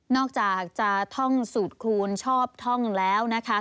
อกจากจะท่องสูตรคูณชอบท่องแล้วนะคะ